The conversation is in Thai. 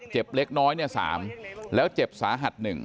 เจ็บเล็กน้อย๓แล้วเจ็บสาหัส๑